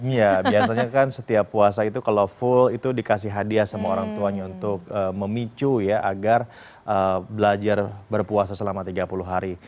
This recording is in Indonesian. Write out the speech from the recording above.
ya biasanya kan setiap puasa itu kalau full itu dikasih hadiah sama orang tuanya untuk memicu ya agar belajar berpuasa selama tiga puluh hari